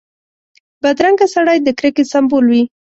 بدرنګه سړی د کرکې سمبول وي